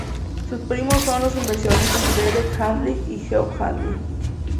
Sus primos son los inversionistas Derek Handley y Geoff Handley.